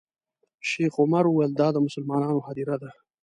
شیخ عمر وویل دا د مسلمانانو هدیره ده.